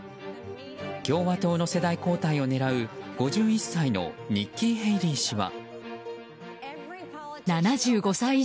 共和党の世代交代を狙う５１歳のニッキー・ヘイリー氏は。